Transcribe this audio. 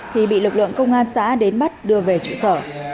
thì bị lực lượng công an xã đến bắt đưa về trụ sở